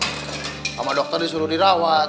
sama dokter disuruh dirawat